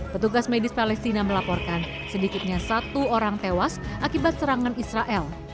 petugas medis palestina melaporkan sedikitnya satu orang tewas akibat serangan israel